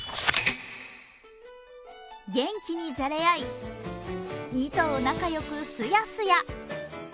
元気にじゃれ合い、２頭仲良くすやすや。